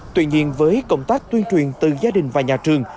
tuy nhiên với công tác tuyên truyền từ gia đình và nhà trường